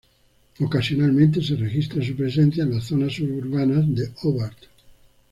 Ocasionalmente se registra su presencia en las zonas suburbanas de Hobart.